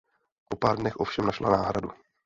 Po pár dnech ovšem našla náhradu.